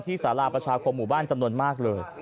สาราประชาคมหมู่บ้านจำนวนมากเลย